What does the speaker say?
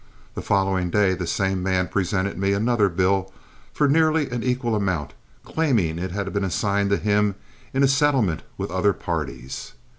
The following day the same man presented me another bill for nearly an equal amount, claiming it had been assigned to him in a settlement with other parties.